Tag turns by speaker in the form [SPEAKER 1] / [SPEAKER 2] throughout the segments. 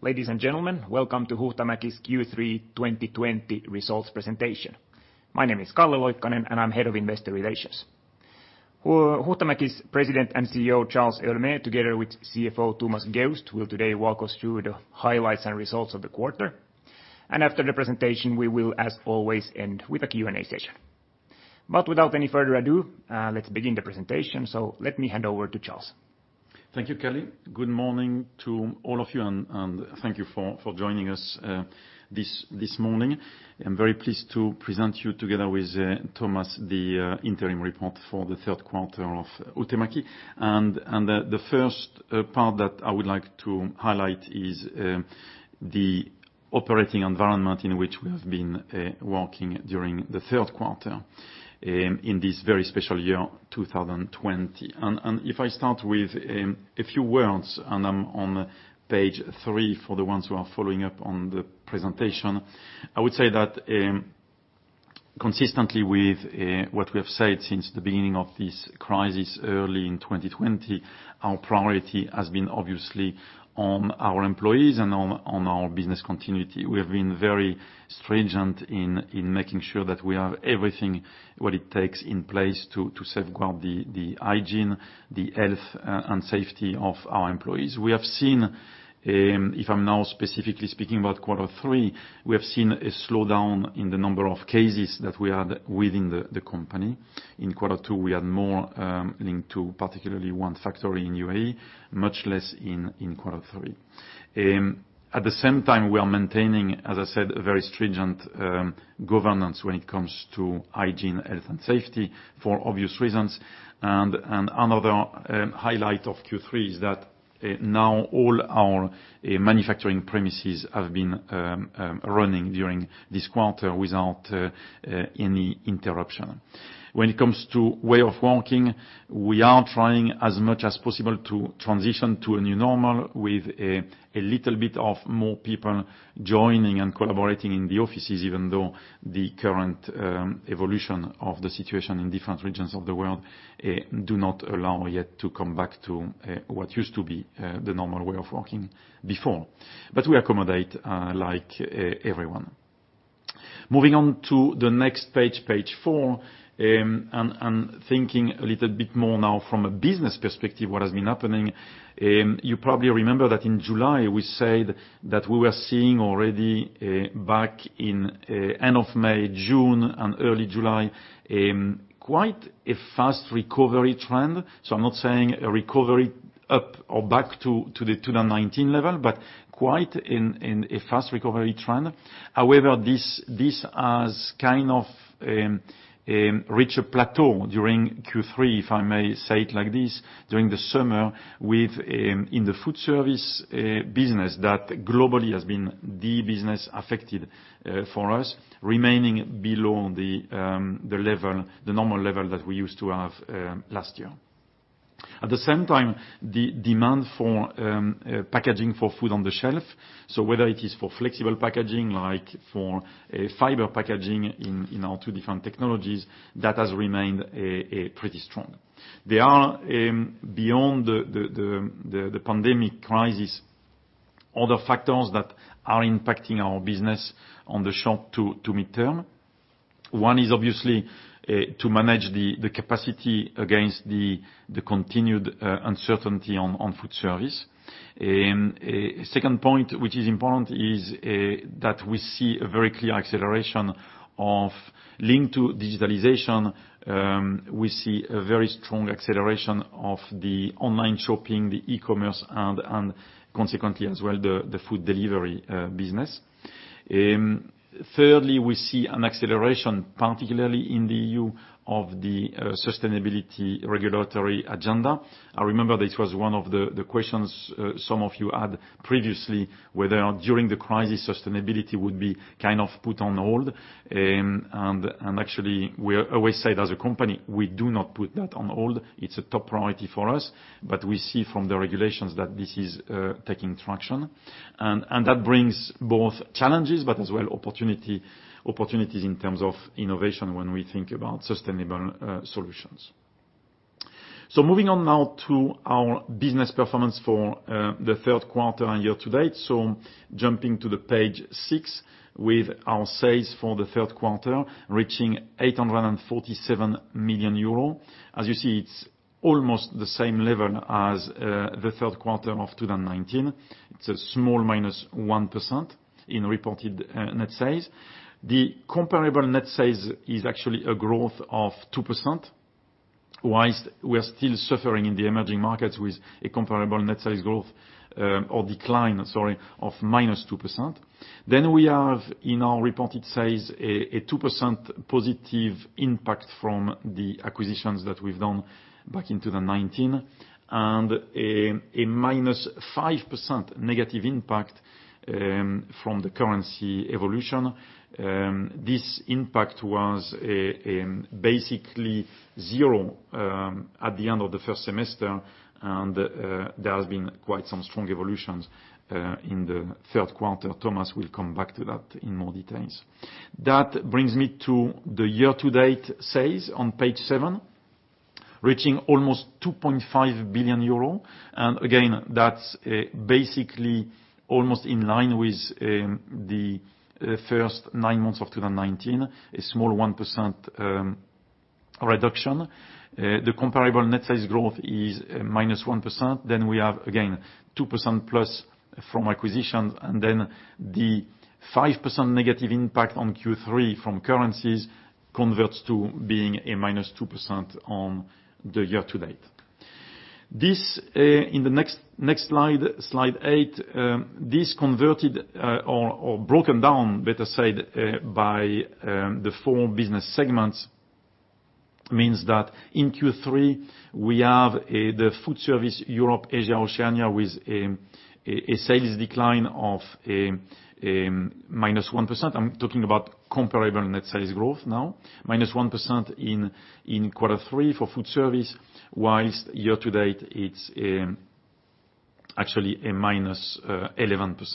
[SPEAKER 1] Ladies and gentlemen, welcome to Huhtamäki's Q3 2020 results presentation. My name is Calle Loikkanen, and I'm head of investor relations. Huhtamäki's President and CEO Charles Héaulmé, together with CFO Thomas Geust, will today walk us through the highlights and results of the quarter. And after the presentation, we will, as always, end with a Q&A session. But without any further ado, let's begin the presentation. So let me hand over to Charles.
[SPEAKER 2] Thank you, Calle. Good morning to all of you, and thank you for joining us this morning. I'm very pleased to present you, together with Thomas, the interim report for the third quarter of Huhtamäki. And the first part that I would like to highlight is the operating environment in which we have been working during the third quarter in this very special year, 2020. And if I start with a few words, and I'm on page three for the ones who are following up on the presentation, I would say that consistently with what we have said since the beginning of this crisis early in 2020, our priority has been obviously on our employees and on our business continuity. We have been very stringent in making sure that we have everything what it takes in place to safeguard the hygiene, the health, and safety of our employees. We have seen, if I'm now specifically speaking about quarter three, we have seen a slowdown in the number of cases that we had within the company. In quarter two, we had more linked to particularly one factory in UAE, much less in quarter three. At the same time, we are maintaining, as I said, a very stringent governance when it comes to hygiene, health, and safety for obvious reasons, and another highlight of Q3 is that now all our manufacturing premises have been running during this quarter without any interruption. When it comes to way of working, we are trying as much as possible to transition to a new normal with a little bit of more people joining and collaborating in the offices, even though the current evolution of the situation in different regions of the world does not allow yet to come back to what used to be the normal way of working before, but we accommodate like everyone. Moving on to the next page, page four, and thinking a little bit more now from a business perspective, what has been happening. You probably remember that in July, we said that we were seeing already back in end of May, June, and early July quite a fast recovery trend, so I'm not saying a recovery up or back to the 2019 level, but quite a fast recovery trend. However, this has kind of reached a plateau during Q3, if I may say it like this, during the summer within the food service business that globally has been the business affected for us, remaining below the normal level that we used to have last year. At the same time, the demand for packaging for food on the shelf, so whether it is for Flexible Packaging like for Fiber Packaging in our two different technologies, that has remained pretty strong. There are, beyond the pandemic crisis, other factors that are impacting our business on the short to midterm. One is obviously to manage the capacity against the continued uncertainty on food service. Second point, which is important, is that we see a very clear acceleration linked to digitalization. We see a very strong acceleration of the online shopping, the e-commerce, and consequently as well the food delivery business. Thirdly, we see an acceleration, particularly in the EU, of the sustainability regulatory agenda. I remember that it was one of the questions some of you had previously, whether during the crisis sustainability would be kind of put on hold. And actually, we always said as a company, we do not put that on hold. It's a top priority for us. But we see from the regulations that this is taking traction. And that brings both challenges, but as well opportunities in terms of innovation when we think about sustainable solutions. So moving on now to our business performance for the third quarter year to date. So jumping to the page six with our sales for the third quarter reaching 847 million euro. As you see, it's almost the same level as the third quarter of 2019. It's a small minus 1% in reported net sales. The comparable net sales is actually a growth of 2%. While we are still suffering in the emerging markets with a comparable net sales growth or decline, sorry, of minus 2%. Then we have in our reported sales a 2% positive impact from the acquisitions that we've done back in 2019 and a minus 5% negative impact from the currency evolution. This impact was basically zero at the end of the first semester, and there has been quite some strong evolutions in the third quarter. Thomas will come back to that in more details. That brings me to the year-to-date sales on page seven, reaching almost 2.5 billion euro. Again, that's basically almost in line with the first nine months of 2019, a small 1% reduction. The comparable net sales growth is minus 1%. Then we have again 2% plus from acquisitions. Then the 5% negative impact on Q3 from currencies converts to being a minus 2% on the year-to-date. This in the next slide, Slide 8, this converted or broken down, better said, by the four business segments means that in Q3 we have the Foodservice Europe, Asia, Oceania with a sales decline of minus 1%. I'm talking about comparable net sales growth now, minus 1% in quarter three for Foodservice, whilst year-to-date it's actually a minus 11%.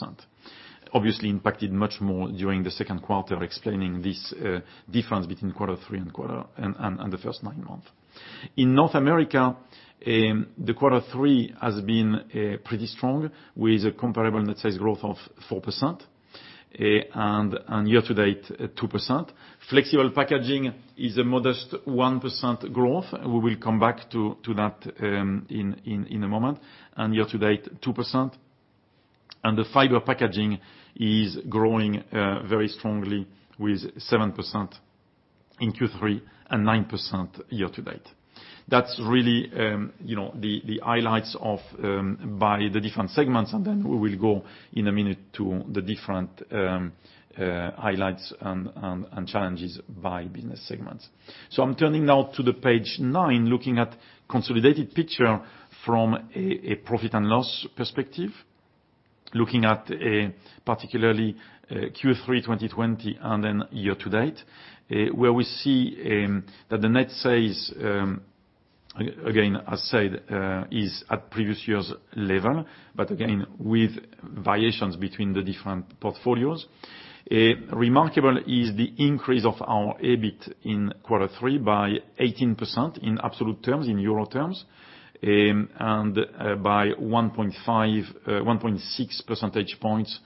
[SPEAKER 2] Obviously impacted much more during the second quarter, explaining this difference between quarter three and the first nine months. In North America, the quarter three has been pretty strong with a comparable net sales growth of 4% and year-to-date 2%. Flexible Packaging is a modest 1% growth. We will come back to that in a moment. Year-to-date 2%. And the Fiber Packaging is growing very strongly with 7% in Q3 and 9% year-to-date. That's really the highlights by the different segments. And then we will go in a minute to the different highlights and challenges by business segments. So I'm turning now to the page nine, looking at consolidated picture from a profit and loss perspective, looking at particularly Q3 2020 and then year-to-date, where we see that the net sales, again, as said, is at previous year's level, but again with variations between the different portfolios. Remarkable is the increase of our EBIT in quarter three by 18% in absolute terms, in euro terms, and by 1.6 percentage points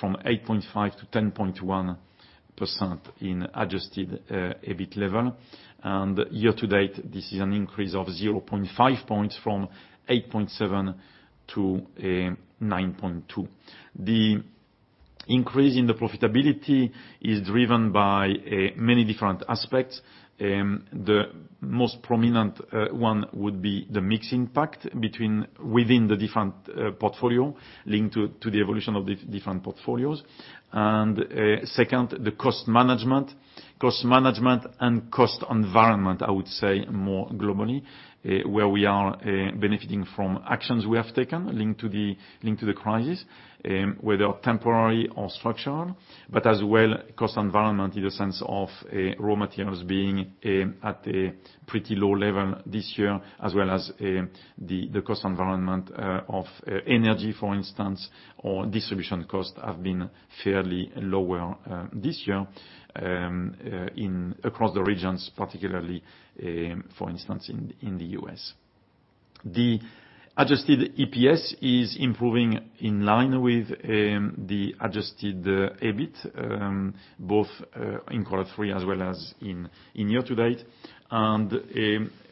[SPEAKER 2] from 8.5 to 10.1% in adjusted EBIT level. And year-to-date, this is an increase of 0.5 points from 8.7 to 9.2. The increase in the profitability is driven by many different aspects. The most prominent one would be the mixed impact within the different portfolio linked to the evolution of the different portfolios. And second, the cost management. Cost management and cost environment, I would say more globally, where we are benefiting from actions we have taken linked to the crisis, whether temporary or structural, but as well cost environment in the sense of raw materials being at a pretty low level this year, as well as the cost environment of energy, for instance, or distribution costs have been fairly lower this year across the regions, particularly, for instance, in the U.S. The Adjusted EPS is improving in line with the Adjusted EBIT, both in quarter three as well as in year-to-date. And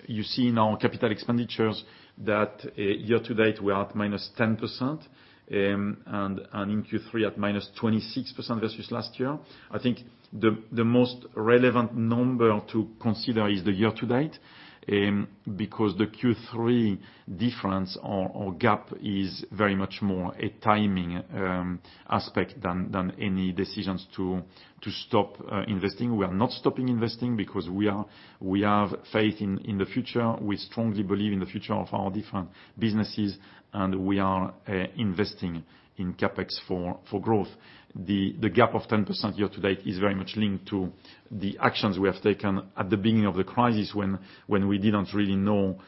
[SPEAKER 2] you see in our capital expenditures that year-to-date we are at -10% and in Q3 at -26% versus last year. I think the most relevant number to consider is the year-to-date because the Q3 difference or gap is very much more a timing aspect than any decisions to stop investing. We are not stopping investing because we have faith in the future. We strongly believe in the future of our different businesses, and we are investing in CapEx for growth. The gap of 10% year-to-date is very much linked to the actions we have taken at the beginning of the crisis when we didn't really know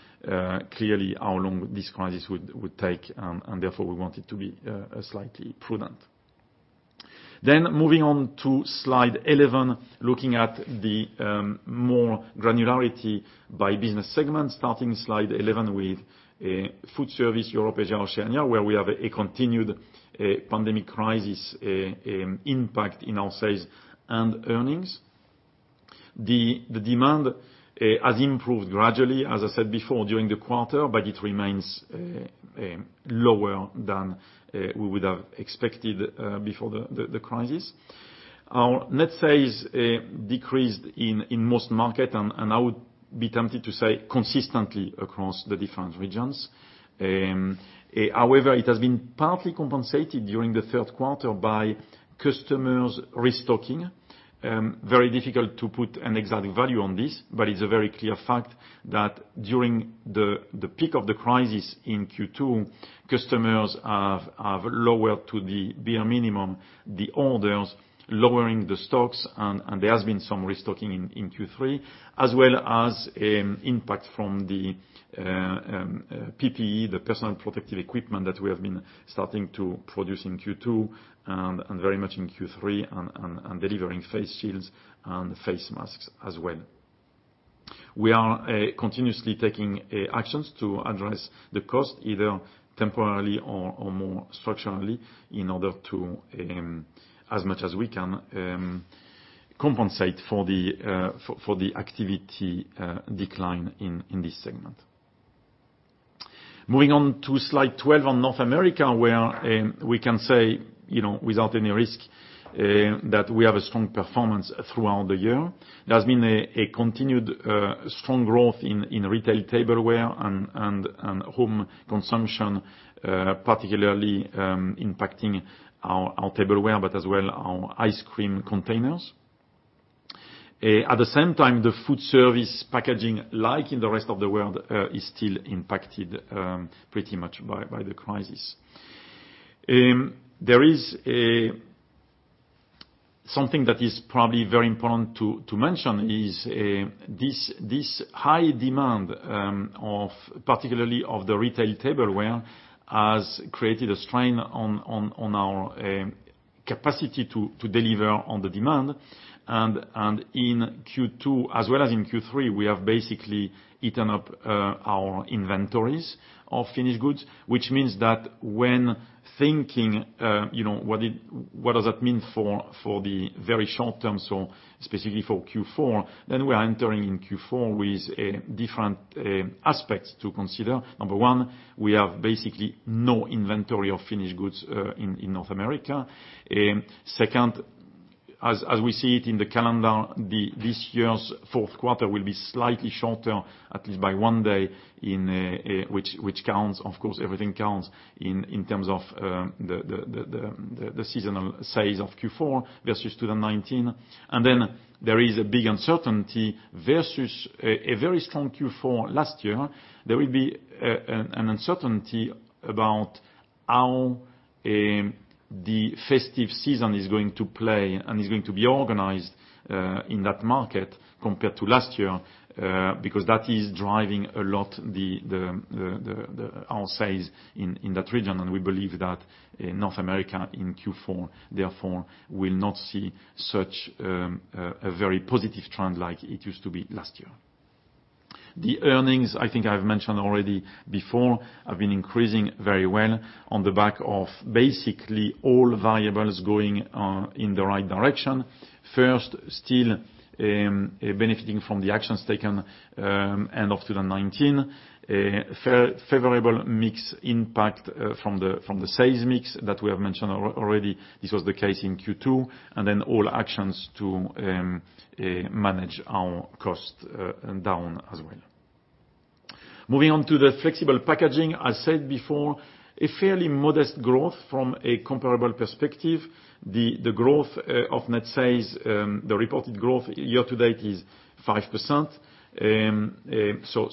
[SPEAKER 2] clearly how long this crisis would take, and therefore we wanted to be slightly prudent. Then moving on to Slide 11, looking at more granularity by business segment, starting Slide 11 with Foodservice Europe-Asia-Oceania, where we have a continued pandemic crisis impact in our sales and earnings. The demand has improved gradually, as I said before, during the quarter, but it remains lower than we would have expected before the crisis. Our net sales decreased in most markets, and I would be tempted to say consistently across the different regions. However, it has been partly compensated during the third quarter by customers restocking. Very difficult to put an exact value on this, but it's a very clear fact that during the peak of the crisis in Q2, customers have lowered to the bare minimum the orders, lowering the stocks, and there has been some restocking in Q3, as well as impact from the PPE, the personal protective equipment that we have been starting to produce in Q2 and very much in Q3, and delivering face shields and face masks as well. We are continuously taking actions to address the cost, either temporarily or more structurally, in order to, as much as we can, compensate for the activity decline in this segment. Moving on to slide 12 on North America, where we can say without any risk that we have a strong performance throughout the year. There has been a continued strong growth in retail tableware and home consumption, particularly impacting our tableware, but as well our ice cream containers. At the same time, the food service packaging, like in the rest of the world, is still impacted pretty much by the crisis. There is something that is probably very important to mention: this high demand, particularly of the retail tableware, has created a strain on our capacity to deliver on the demand. And in Q2, as well as in Q3, we have basically eaten up our inventories of finished goods, which means that when thinking what does that mean for the very short term, so specifically for Q4, then we are entering in Q4 with different aspects to consider. Number one, we have basically no inventory of finished goods in North America. Second, as we see it in the calendar, this year's fourth quarter will be slightly shorter, at least by one day, which counts, of course, everything counts in terms of the seasonal sales of Q4 versus 2019. And then there is a big uncertainty versus a very strong Q4 last year. There will be an uncertainty about how the festive season is going to play and is going to be organized in that market compared to last year because that is driving a lot our sales in that region. And we believe that North America in Q4, therefore, will not see such a very positive trend like it used to be last year. The earnings, I think I've mentioned already before, have been increasing very well on the back of basically all variables going in the right direction. First, still benefiting from the actions taken end of 2019, favorable mix impact from the sales mix that we have mentioned already. This was the case in Q2. And then all actions to manage our cost down as well. Moving on to the Flexible Packaging, as said before, a fairly modest growth from a comparable perspective. The growth of net sales, the reported growth year-to-date is 5%.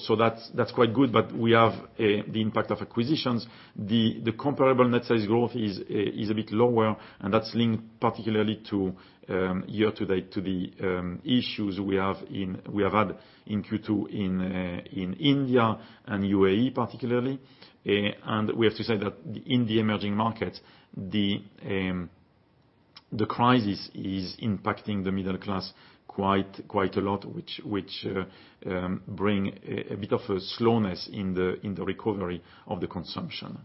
[SPEAKER 2] So that's quite good, but we have the impact of acquisitions. The comparable net sales growth is a bit lower, and that's linked particularly year-to-date to the issues we have had in Q2 in India and UAE, particularly. And we have to say that in the emerging markets, the crisis is impacting the middle class quite a lot, which brings a bit of a slowness in the recovery of the consumption.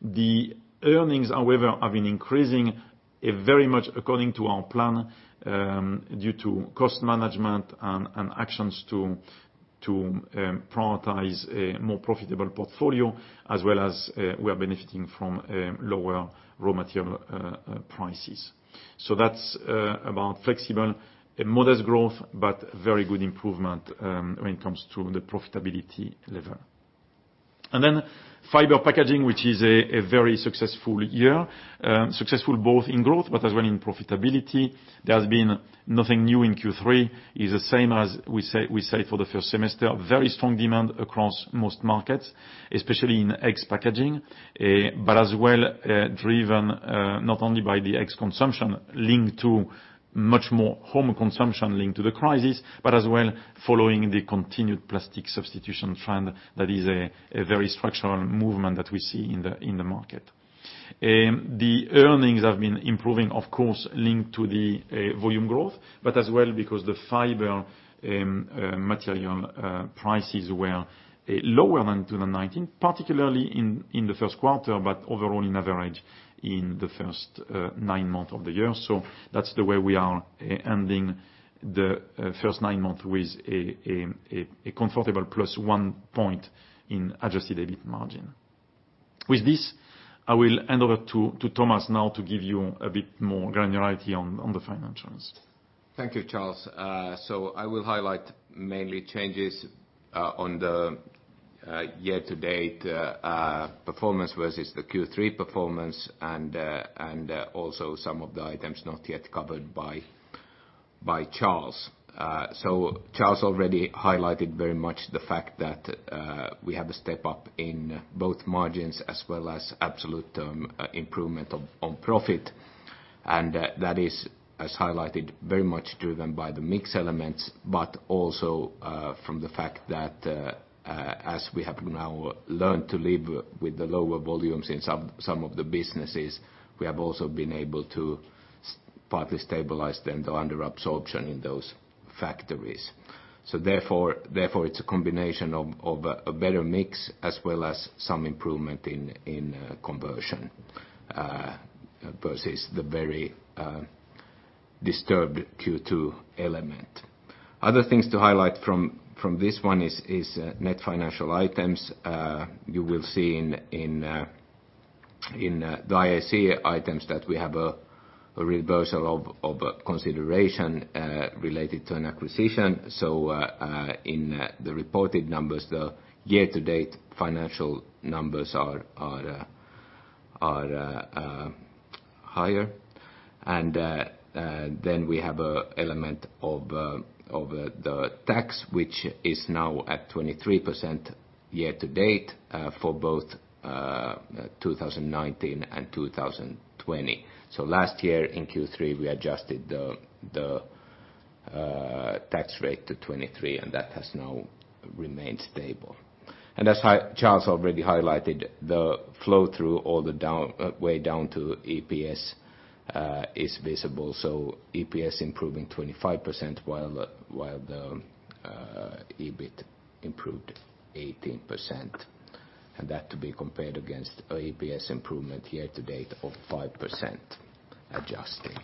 [SPEAKER 2] The earnings, however, have been increasing very much according to our plan due to cost management and actions to prioritize a more profitable portfolio, as well as we are benefiting from lower raw material prices. So that's about flexible, modest growth, but very good improvement when it comes to the profitability level. And then Fiber Packaging, which is a very successful year, successful both in growth, but as well in profitability. There has been nothing new in Q3. It's the same as we said for the first semester. Very strong demand across most markets, especially in egg packaging, but as well driven not only by the egg consumption linked to much more home consumption linked to the crisis, but as well following the continued plastic substitution trend that is a very structural movement that we see in the market. The earnings have been improving, of course, linked to the volume growth, but as well because the fiber material prices were lower than 2019, particularly in the first quarter, but overall in average in the first nine months of the year. So that's the way we are ending the first nine months with a comfortable plus one point in Adjusted EBIT margin. With this, I will hand over to Thomas now to give you a bit more granularity on the financials.
[SPEAKER 3] Thank you, Charles. I will highlight mainly changes on the year-to-date performance versus the Q3 performance and also some of the items not yet covered by Charles Héaulmé. Charles Héaulmé already highlighted very much the fact that we have a step up in both margins as well as absolute improvement on profit. That is, as highlighted, very much driven by the mix elements, but also from the fact that as we have now learned to live with the lower volumes in some of the businesses, we have also been able to partly stabilize then the underabsorption in those factories. Therefore, it's a combination of a better mix as well as some improvement in conversion versus the very disturbed Q2 element. Other things to highlight from this one is net financial items. You will see in the IAC items that we have a reversal of consideration related to an acquisition. So in the reported numbers, the year-to-date financial numbers are higher. And then we have an element of the tax, which is now at 23% year-to-date for both 2019 and 2020. So last year in Q3, we adjusted the tax rate to 23%, and that has now remained stable. And as Charles already highlighted, the flow through all the way down to EPS is visible. So EPS improving 25% while the EBIT improved 18%. And that to be compared against EPS improvement year-to-date of 5% adjusted.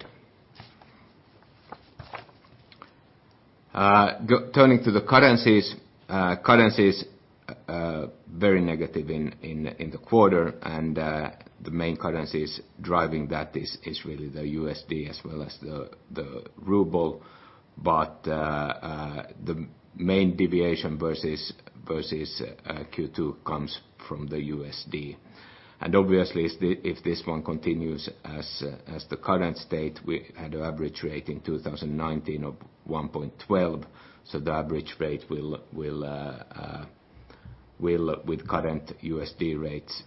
[SPEAKER 3] Turning to the currencies, currencies very negative in the quarter. And the main currencies driving that is really the USD as well as the ruble. But the main deviation versus Q2 comes from the USD. And obviously, if this one continues as the current state, we had an average rate in 2019 of 1.12. The average rate will, with current USD rates,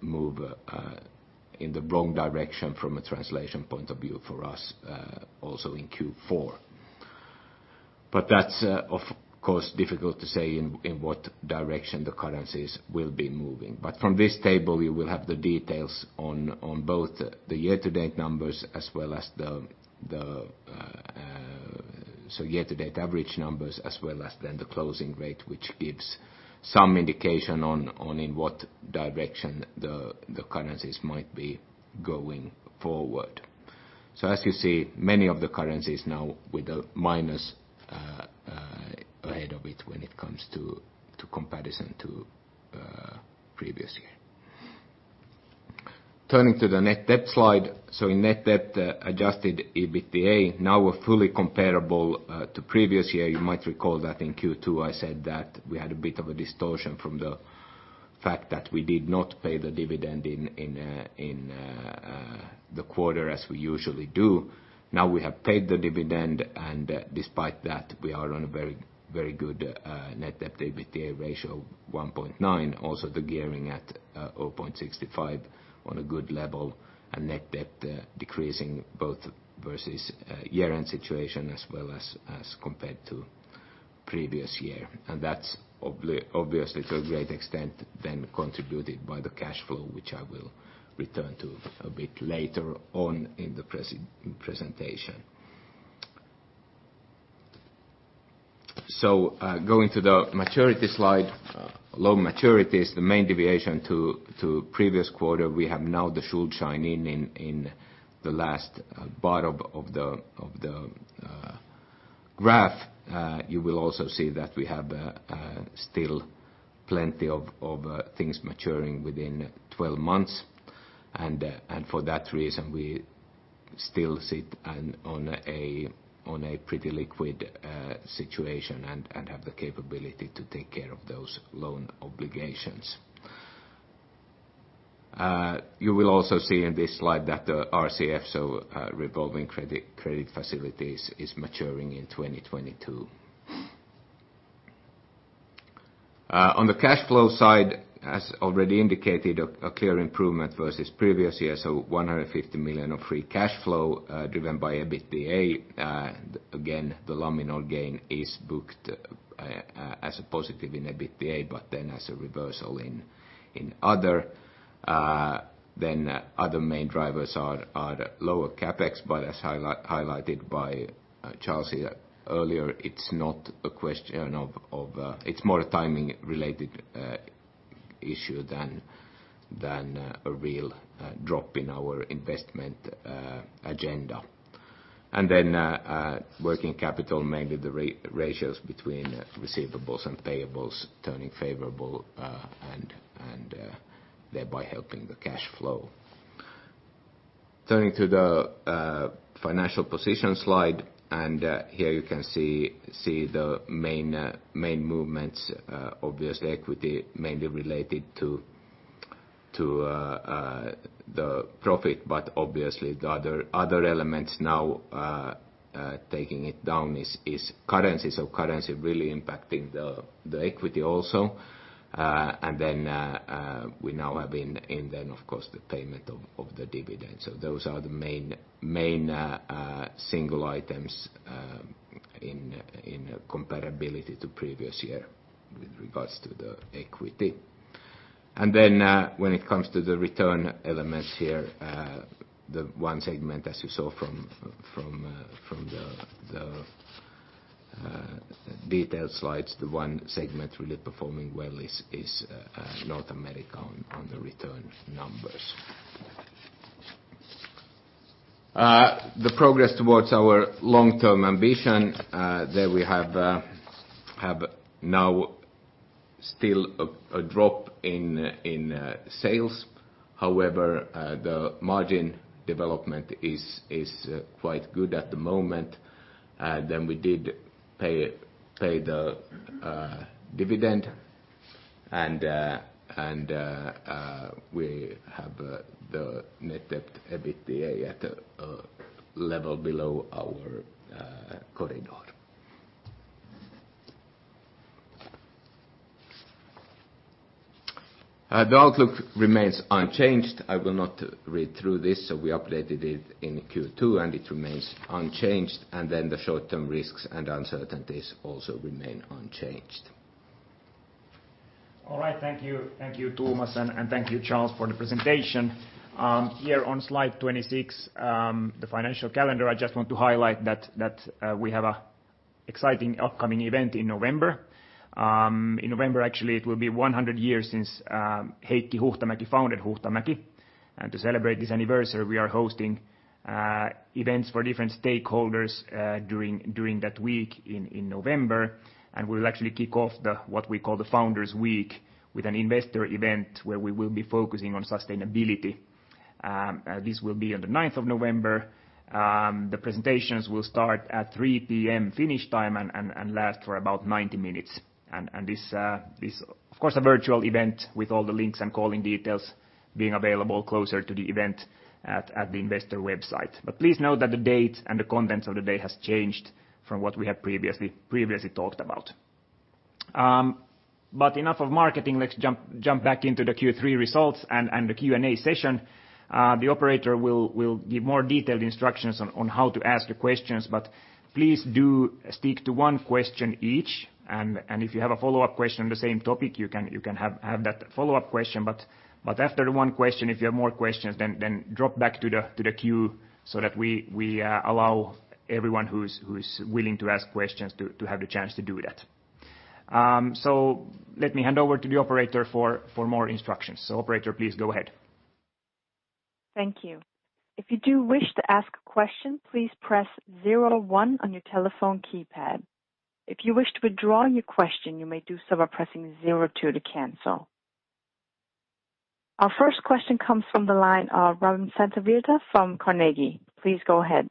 [SPEAKER 3] move in the wrong direction from a translation point of view for us also in Q4. But that's, of course, difficult to say in what direction the currencies will be moving. But from this table, you will have the details on both the year-to-date numbers as well as the year-to-date average numbers, as well as then the closing rate, which gives some indication on in what direction the currencies might be going forward. As you see, many of the currencies now with a minus ahead of it when it comes to comparison to previous year. Turning to the net debt slide. In net debt, Adjusted EBITDA now are fully comparable to previous year. You might recall that in Q2, I said that we had a bit of a distortion from the fact that we did not pay the dividend in the quarter as we usually do. Now we have paid the dividend, and despite that, we are on a very good net debt EBITDA ratio of 1.9. Also, the gearing at 0.65 on a good level and net debt decreasing both versus year-end situation as well as compared to previous year. And that's obviously to a great extent then contributed by the cash flow, which I will return to a bit later on in the presentation. So going to the maturity slide, long maturity is the main deviation from previous quarter. We have now the long-dated issuance in the last bar of the graph. You will also see that we have still plenty of things maturing within 12 months. For that reason, we still sit on a pretty liquid situation and have the capability to take care of those loan obligations. You will also see in this slide that the RCF, so revolving credit facilities, is maturing in 2022. On the cash flow side, as already indicated, a clear improvement versus previous year, so 150 million of free cash flow driven by EBITDA. Again, the lump sum gain is booked as a positive in EBITDA, but then as a reversal in other. Then other main drivers are lower CapEx, but as highlighted by Charles earlier, it's not a question of. It's more a timing-related issue than a real drop in our investment agenda. And then working capital, mainly the ratios between receivables and payables turning favorable and thereby helping the cash flow. Turning to the financial position slide, and here you can see the main movements. Obviously equity mainly related to the profit, but obviously the other elements now taking it down is currency, so currency really impacting the equity also. And then we now have and then, of course, the payment of the dividend, so those are the main single items in comparability to previous year with regards to the equity. And then when it comes to the return elements here, the one segment, as you saw from the detailed slides, the one segment really performing well is North America on the return numbers. The progress towards our long-term ambition, there we have now still a drop in sales. However, the margin development is quite good at the moment. Then we did pay the dividend, and we have the net debt EBITDA at a level below our corridor. The outlook remains unchanged. I will not read through this, so we updated it in Q2, and it remains unchanged, and then the short-term risks and uncertainties also remain unchanged.
[SPEAKER 1] All right. Thank you, Thomas, and thank you, Charles Héaulmé, for the presentation. Here on slide 26, the financial calendar, I just want to highlight that we have an exciting upcoming event in November. In November, actually, it will be 100 years since Heikki Huhtamäki founded Huhtamäki. And to celebrate this anniversary, we are hosting events for different stakeholders during that week in November. And we will actually kick off what we call the Founders Week with an investor event where we will be focusing on sustainability. This will be on the 9th of November. The presentations will start at 3:00 P.M. Finnish time and last for about 90 minutes. And this is, of course, a virtual event with all the links and calling details being available closer to the event at the investor website. But please note that the date and the contents of the day have changed from what we have previously talked about. But enough of marketing. Let's jump back into the Q3 results and the Q&A session. The operator will give more detailed instructions on how to ask the questions, but please do stick to one question each. And if you have a follow-up question on the same topic, you can have that follow-up question. But after the one question, if you have more questions, then drop back to the queue so that we allow everyone who is willing to ask questions to have the chance to do that. So let me hand over to the operator for more instructions. So operator, please go ahead.
[SPEAKER 4] Thank you. If you do wish to ask a question, please press 01 on your telephone keypad. If you wish to withdraw your question, you may do so by pressing 02 to cancel. Our first question comes from the line of Robin Santavirta from Carnegie. Please go ahead.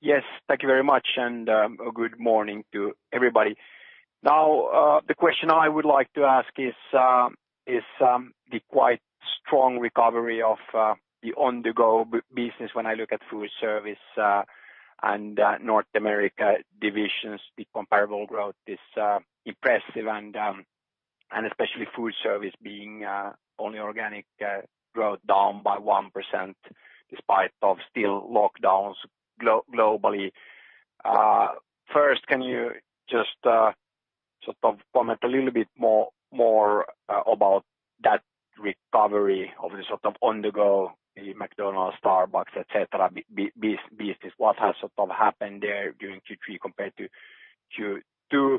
[SPEAKER 5] Yes, thank you very much, and good morning to everybody. Now, the question I would like to ask is the quite strong recovery of the on-the-go business when I look at food service and North America divisions. The comparable growth is impressive, and especially food service being only organic growth down by 1% despite still lockdowns globally. First, can you just sort of comment a little bit more about that recovery of the sort of on-the-go, McDonald's, Starbucks, etc. business? What has sort of happened there during Q3 compared to Q2?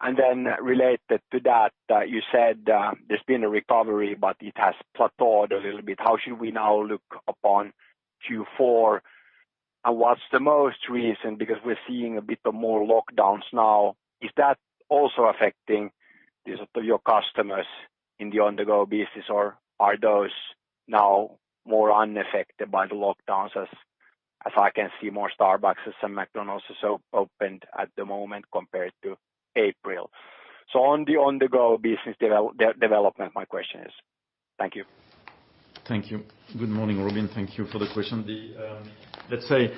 [SPEAKER 5] And then related to that, you said there's been a recovery, but it has plateaued a little bit. How should we now look upon Q4? And what's the most reason? Because we're seeing a bit more lockdowns now. Is that also affecting your customers in the on-the-go business, or are those now more unaffected by the lockdowns as I can see more Starbucks and McDonald's are opened at the moment compared to April? So on the on-the-go business development, my question is. Thank you.
[SPEAKER 2] Thank you. Good morning, Robin. Thank you for the question. Let's say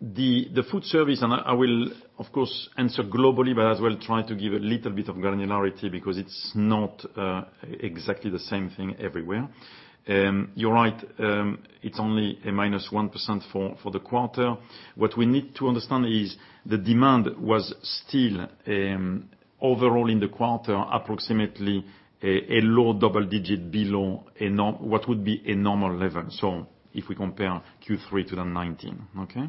[SPEAKER 2] the food service, and I will, of course, answer globally, but as well try to give a little bit of granularity because it's not exactly the same thing everywhere. You're right. It's only a -1% for the quarter. What we need to understand is the demand was still overall in the quarter approximately a low double digit below what would be a normal level. So if we compare Q3 to 2019, okay?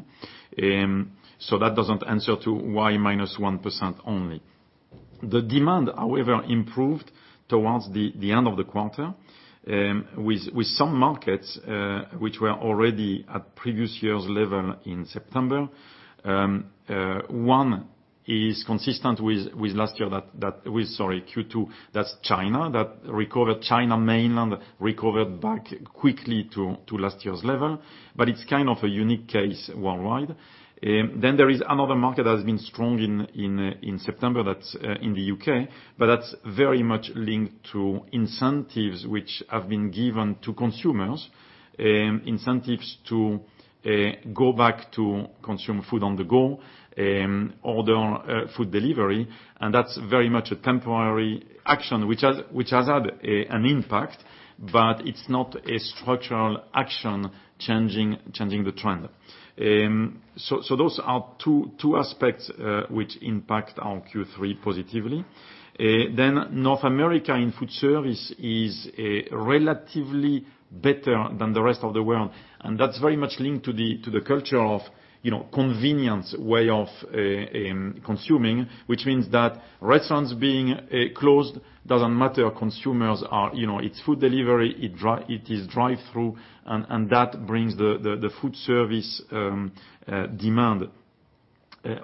[SPEAKER 2] So that doesn't answer to why -1% only. The demand, however, improved towards the end of the quarter with some markets which were already at previous year's level in September. One is consistent with last year, sorry, Q2. That's China that recovered. China mainland recovered back quickly to last year's level, but it's kind of a unique case worldwide. Then there is another market that has been strong in September that's in the U.K., but that's very much linked to incentives which have been given to consumers, incentives to go back to consume food on the go, order food delivery. And that's very much a temporary action which has had an impact, but it's not a structural action changing the trend. So those are two aspects which impact our Q3 positively. Then North America in food service is relatively better than the rest of the world. And that's very much linked to the culture of convenience way of consuming, which means that restaurants being closed doesn't matter. Consumers, it's food delivery, it is drive-through, and that brings the food service demand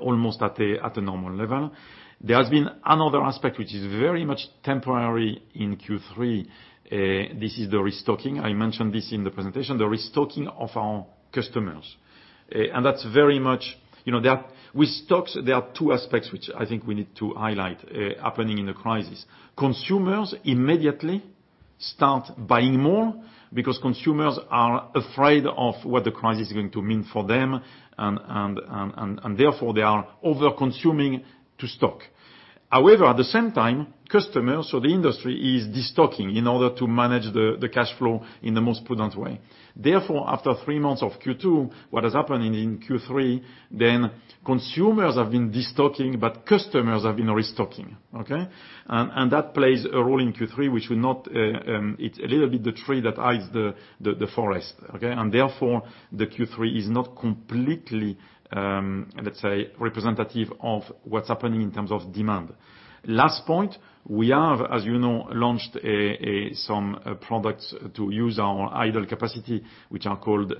[SPEAKER 2] almost at a normal level. There has been another aspect which is very much temporary in Q3. This is the restocking. I mentioned this in the presentation, the restocking of our customers. That's very much with stocks. There are two aspects which I think we need to highlight happening in the crisis. Consumers immediately start buying more because consumers are afraid of what the crisis is going to mean for them, and therefore they are overconsuming to stock. However, at the same time, customers, so the industry is destocking in order to manage the cash flow in the most prudent way. Therefore, after three months of Q2, what has happened in Q3, then consumers have been destocking, but customers have been restocking. That plays a role in Q3, which will not. It's a little bit the tree that hides the forest. Therefore, the Q3 is not completely, let's say, representative of what's happening in terms of demand. Last point, we have, as you know, launched some products to use our idle capacity, which are called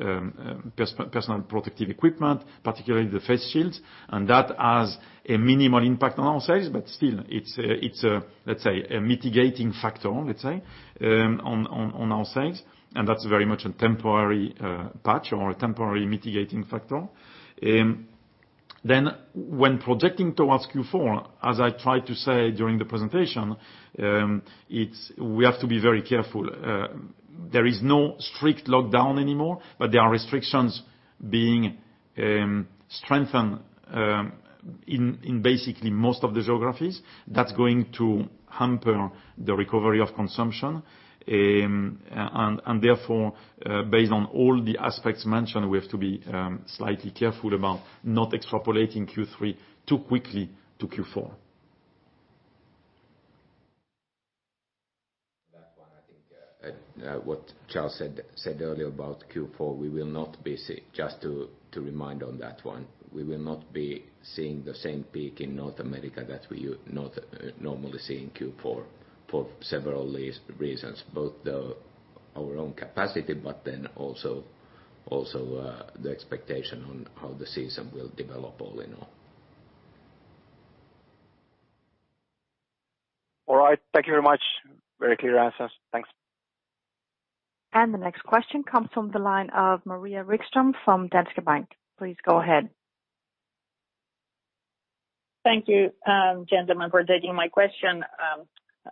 [SPEAKER 2] personal protective equipment, particularly the face shields, and that has a minimal impact on our sales, but still, it's a, let's say, a mitigating factor, let's say, on our sales. And that's very much a temporary patch or a temporary mitigating factor, then when projecting towards Q4, as I tried to say during the presentation, we have to be very careful. There is no strict lockdown anymore, but there are restrictions being strengthened in basically most of the geographies. That's going to hamper the recovery of consumption, and therefore, based on all the aspects mentioned, we have to be slightly careful about not extrapolating Q3 too quickly to Q4.
[SPEAKER 3] That one, I think what Charles said earlier about Q4, we will not be just to remind on that one. We will not be seeing the same peak in North America that we normally see in Q4 for several reasons, both our own capacity, but then also the expectation on how the season will develop all in all.
[SPEAKER 5] All right. Thank you very much. Very clear answers. Thanks.
[SPEAKER 4] The next question comes from the line of Maria Wikström from Danske Bank. Please go ahead.
[SPEAKER 6] Thank you, gentlemen, for taking my question.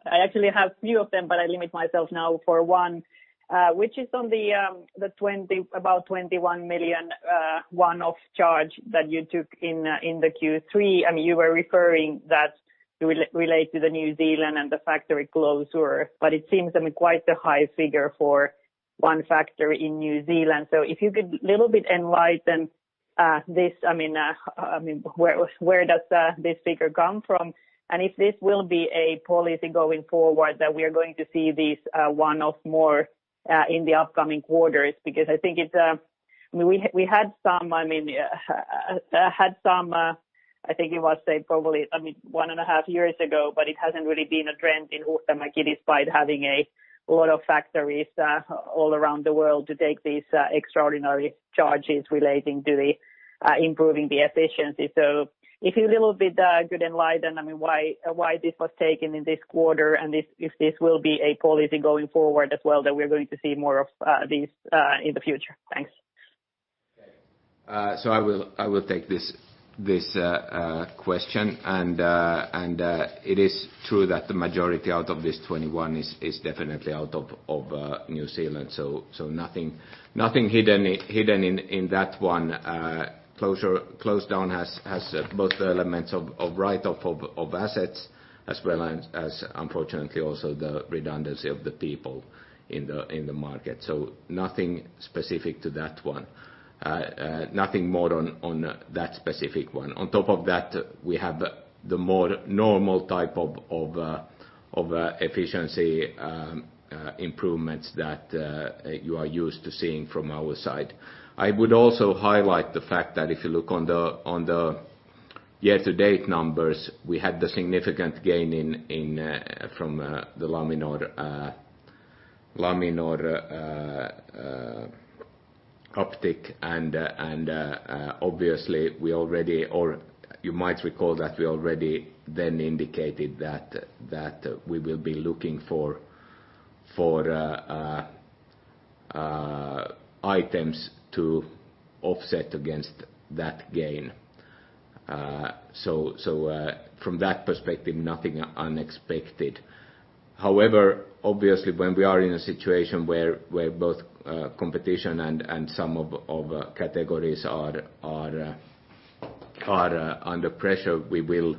[SPEAKER 6] I actually have a few of them, but I limit myself now for one, which is on the about 21 million one-off charge that you took in the Q3. I mean, you were referring that related to the New Zealand and the factory closure, but it seems quite a high figure for one factory in New Zealand. So if you could a little bit enlighten this, I mean, where does this figure come from? If this will be a policy going forward that we are going to see these one-off more in the upcoming quarters, because I think we had some, I mean, I think it was probably, I mean, one and a half years ago, but it hasn't really been a trend in Huhtamäki despite having a lot of factories all around the world to take these extraordinary charges relating to improving the efficiency. So if you a little bit could enlighten, I mean, why this was taken in this quarter and if this will be a policy going forward as well that we're going to see more of these in the future. Thanks.
[SPEAKER 3] I will take this question. It is true that the majority out of this 21 is definitely out of New Zealand. Nothing hidden in that one. Closed down has both the elements of write-off of assets as well as, unfortunately, also the redundancy of the people in the market. Nothing specific to that one. Nothing more on that specific one. On top of that, we have the more normal type of efficiency improvements that you are used to seeing from our side. I would also highlight the fact that if you look on the year-to-date numbers, we had the significant gain from the Laminor uptick. Obviously, we already, or you might recall that we already then indicated that we will be looking for items to offset against that gain. From that perspective, nothing unexpected. However, obviously, when we are in a situation where both competition and some of our categories are under pressure, we will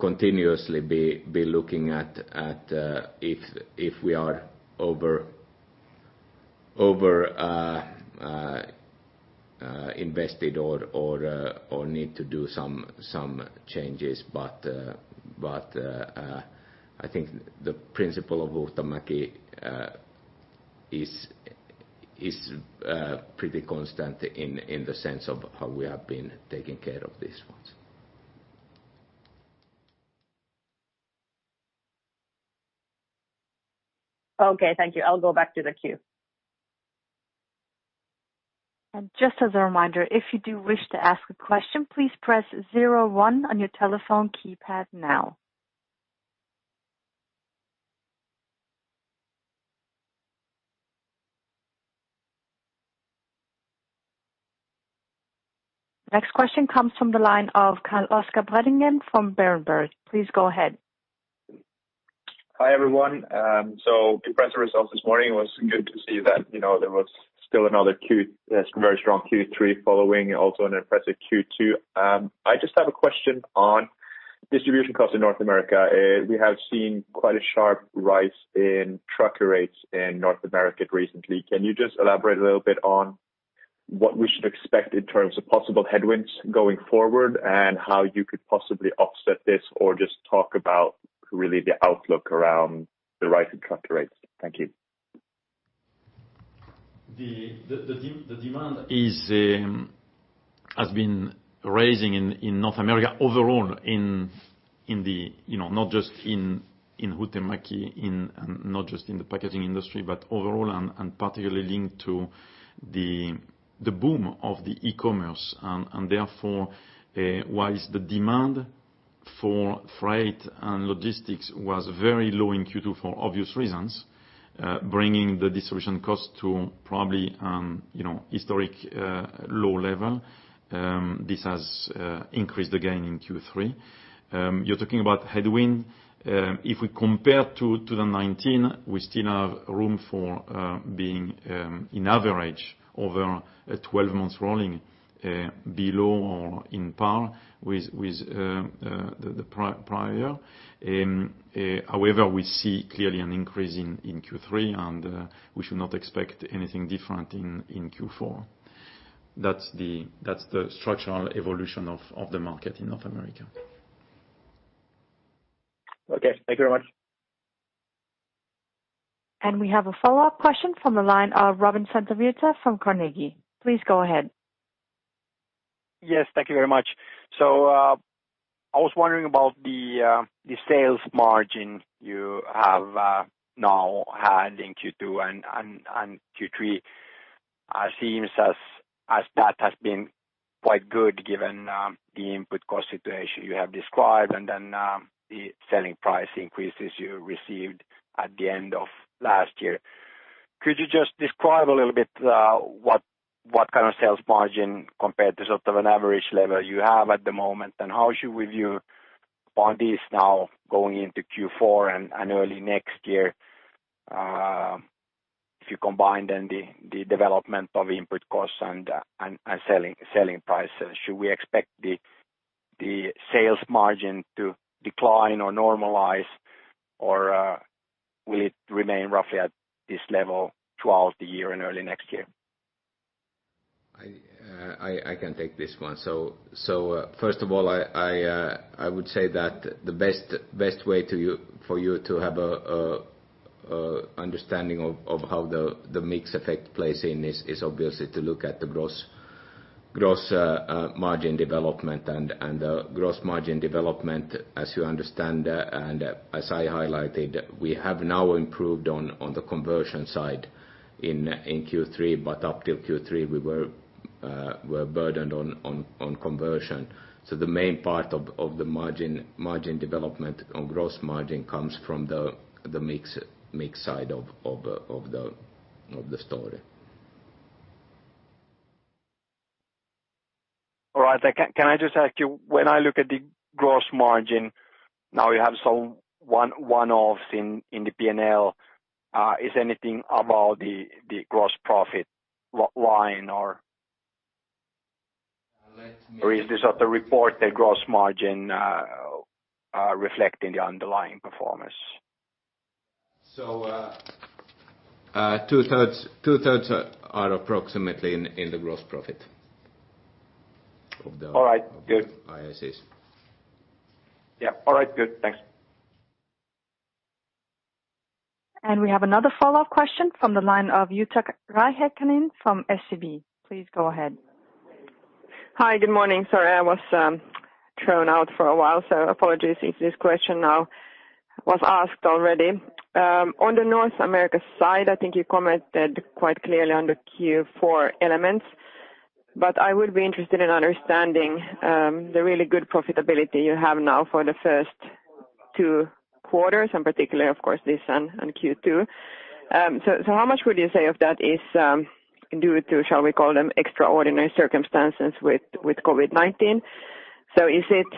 [SPEAKER 3] continuously be looking at if we are over-invested or need to do some changes, but I think the principle of Huhtamäki is pretty constant in the sense of how we have been taking care of these ones.
[SPEAKER 6] Okay. Thank you. I'll go back to the queue.
[SPEAKER 4] Just as a reminder, if you do wish to ask a question, please press 01 on your telephone keypad now. Next question comes from the line of Carl-Oscar Bredengen from Berenberg. Please go ahead.
[SPEAKER 7] Hi everyone. So impressive results this morning. It was good to see that there was still another very strong Q3 following, also an impressive Q2. I just have a question on distribution costs in North America. We have seen quite a sharp rise in trucker rates in North America recently. Can you just elaborate a little bit on what we should expect in terms of possible headwinds going forward and how you could possibly offset this or just talk about really the outlook around the rise in trucker rates? Thank you.
[SPEAKER 3] The demand has been rising in North America overall, not just in Huhtamäki, not just in the packaging industry, but overall and particularly linked to the boom of the e-commerce, and therefore, while the demand for freight and logistics was very low in Q2 for obvious reasons, bringing the distribution costs to probably historic low level, this has increased again in Q3. You're talking about headwind. If we compare to 2019, we still have room for being in average over 12 months rolling below or in par with the prior. However, we see clearly an increase in Q3, and we should not expect anything different in Q4. That's the structural evolution of the market in North America.
[SPEAKER 7] Okay. Thank you very much.
[SPEAKER 4] We have a follow-up question from the line of Robin Santavirta from Carnegie. Please go ahead.
[SPEAKER 5] Yes. Thank you very much. So I was wondering about the sales margin you have now had in Q2 and Q3. It seems that has been quite good given the input cost situation you have described and then the selling price increases you received at the end of last year. Could you just describe a little bit what kind of sales margin compared to sort of an average level you have at the moment, and how should we view on this now going into Q4 and early next year if you combine then the development of input costs and selling prices? Should we expect the sales margin to decline or normalize, or will it remain roughly at this level throughout the year and early next year?
[SPEAKER 3] I can take this one. So first of all, I would say that the best way for you to have an understanding of how the mix effect plays in is obviously to look at the gross margin development and the gross margin development, as you understand. And as I highlighted, we have now improved on the conversion side in Q3, but up till Q3, we were burdened on conversion. So the main part of the margin development or gross margin comes from the mix side of the story.
[SPEAKER 5] All right. Can I just ask you, when I look at the gross margin, now you have some one-offs in the P&L, is anything about the gross profit line or is this sort of reported gross margin reflecting the underlying performance?
[SPEAKER 3] So two-thirds are approximately in the gross profit of the.
[SPEAKER 5] All right. Good.
[SPEAKER 3] Biases.
[SPEAKER 5] Yeah. All right. Good. Thanks.
[SPEAKER 4] We have another follow-up question from the line of Jutta Rahikainen from SEB. Please go ahead.
[SPEAKER 8] Hi. Good morning. Sorry, I was thrown out for a while, so apologies if this question now was asked already. On the North America side, I think you commented quite clearly on the Q4 elements, but I would be interested in understanding the really good profitability you have now for the first two quarters, and particularly, of course, this and Q2. So how much would you say of that is due to, shall we call them, extraordinary circumstances with COVID-19? So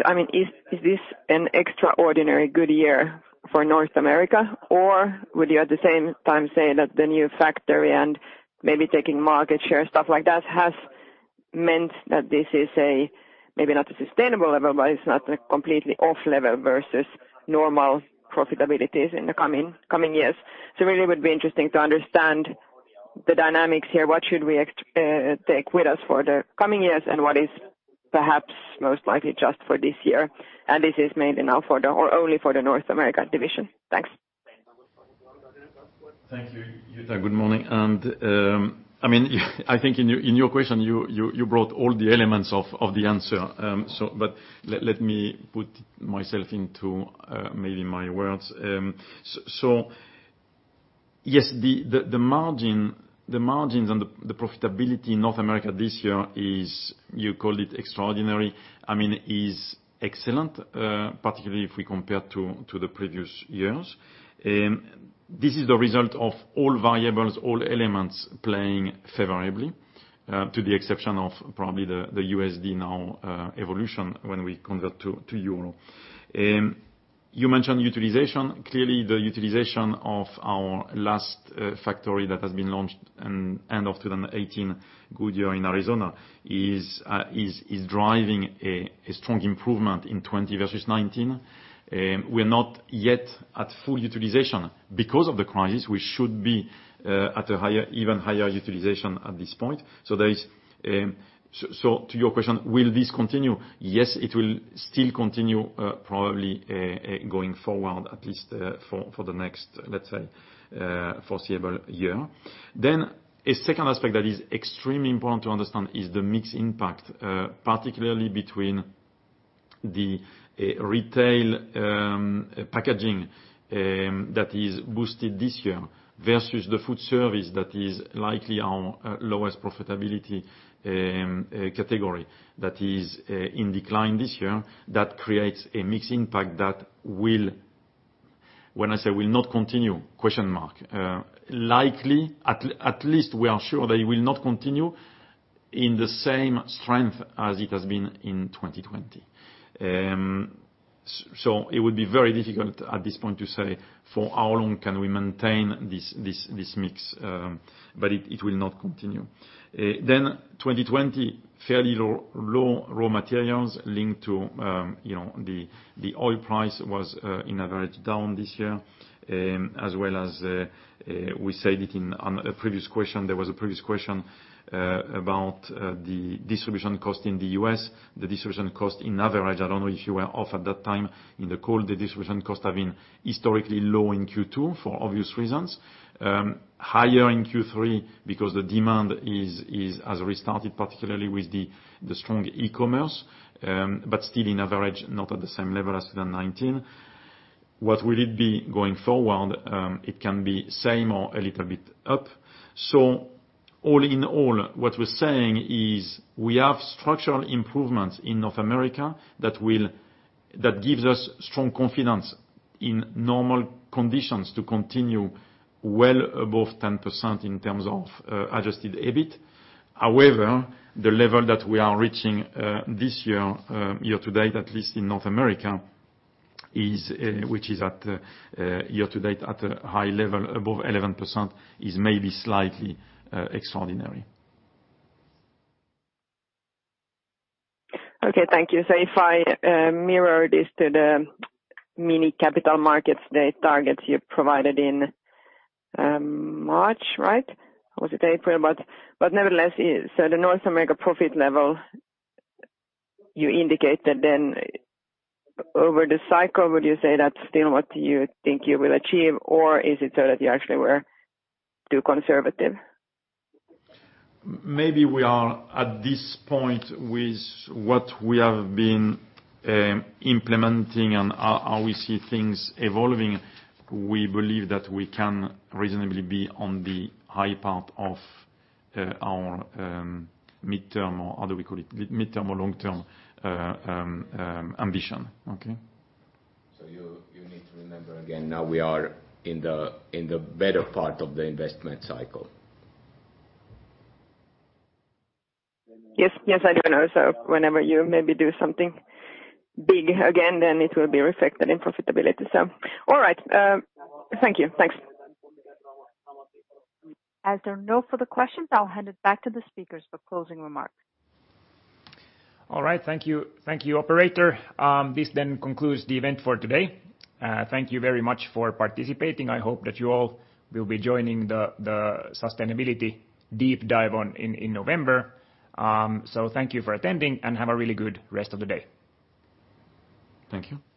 [SPEAKER 8] I mean, is this an extraordinary good year for North America, or would you at the same time say that the new factory and maybe taking market share, stuff like that, has meant that this is maybe not a sustainable level, but it's not a completely off level versus normal profitabilities in the coming years? So really, it would be interesting to understand the dynamics here. What should we take with us for the coming years, and what is perhaps most likely just for this year? And this is mainly now for the or only for the North America division. Thanks.
[SPEAKER 2] Thank you. Jutta, good morning. And I mean, I think in your question, you brought all the elements of the answer. But let me put myself into maybe my words. So yes, the margins and the profitability in North America this year is, you called it extraordinary, I mean, is excellent, particularly if we compare to the previous years. This is the result of all variables, all elements playing favorably, to the exception of probably the USD now evolution when we convert to euro. You mentioned utilization. Clearly, the utilization of our last factory that has been launched end of 2018, Goodyear in Arizona, is driving a strong improvement in 20 versus 19. We are not yet at full utilization. Because of the crisis, we should be at an even higher utilization at this point. So to your question, will this continue? Yes, it will still continue probably going forward, at least for the next, let's say, foreseeable year. Then a second aspect that is extremely important to understand is the mixed impact, particularly between the retail packaging that is boosted this year versus the food service that is likely our lowest profitability category that is in decline this year, that creates a mixed impact that will, when I say will not continue, question mark. Likely, at least we are sure that it will not continue in the same strength as it has been in 2020. So it would be very difficult at this point to say for how long can we maintain this mix, but it will not continue. Then 2020, fairly low raw materials linked to the oil price was in average down this year, as well as we said it in a previous question. There was a previous question about the distribution cost in the U.S. The distribution cost in average, I don't know if you were off at that time in the call, the distribution costs have been historically low in Q2 for obvious reasons. Higher in Q3 because the demand has restarted, particularly with the strong e-commerce, but still in average, not at the same level as 2019. What will it be going forward? It can be same or a little bit up. So all in all, what we're saying is we have structural improvements in North America that gives us strong confidence in normal conditions to continue well above 10% in terms of Adjusted EBIT. However, the level that we are reaching this year, year-to-date, at least in North America, which is year-to-date at a high level above 11%, is maybe slightly extraordinary.
[SPEAKER 8] Okay. Thank you. So if I mirror this to the Capital Markets Day targets you provided in March, right? Was it April? But nevertheless, so the North America profit level, you indicated then over the cycle, would you say that's still what you think you will achieve, or is it so that you actually were too conservative?
[SPEAKER 2] Maybe we are at this point with what we have been implementing and how we see things evolving. We believe that we can reasonably be on the high part of our mid-term or how do we call it? Mid-term or long-term ambition. Okay.
[SPEAKER 3] So you need to remember again now we are in the better part of the investment cycle.
[SPEAKER 8] Yes. Yes, I do know. So whenever you maybe do something big again, then it will be reflected in profitability. So all right. Thank you. Thanks.
[SPEAKER 4] As a note for the questions, I'll hand it back to the speakers for closing remarks.
[SPEAKER 2] All right. Thank you. Thank you, Operator. This then concludes the event for today. Thank you very much for participating. I hope that you all will be joining the sustainability deep dive in November. So thank you for attending and have a really good rest of the day.
[SPEAKER 1] Thank you.
[SPEAKER 3] Thank you.